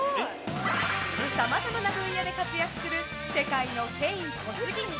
さまざまな分野で活躍する世界のケイン・コスギ。